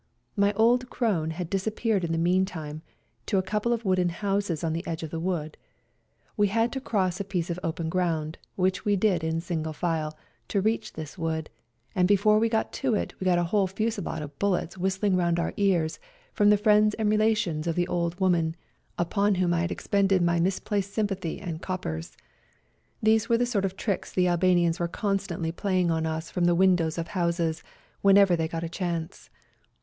My old crone had disappeared in the meantime to a couple of wooden houses on the edge of the wood. We had to cross a piece of open ground, which we did in single file, to reach this wood, and before we got to it we got a whole fusillade of bullets whistling round our ears from the friends and relations of the old lady upon whom FIGHTING ON MOUNT CHUKUS 131 I had expended my misplaced sympathy and coppers. These were the sort of tricks the Albanians were constantly play ing on us from the windows of houses, whenever they got a chance.